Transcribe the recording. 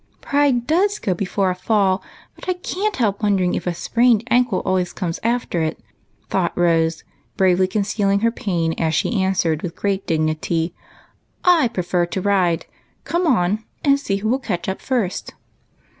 "Pride does go before a fall, but I wonder if a sprained ankle always comes after it ?" thought Rose, bravely concealing her pain, as she answered, with great dignity, —" I prefer to ride. Come on, and see who will catch up first."